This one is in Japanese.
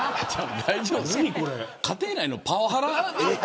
家庭内のパワハラ。